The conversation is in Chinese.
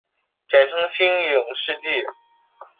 简称新影世纪。